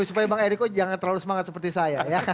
supaya bang eriko jangan terlalu semangat seperti saya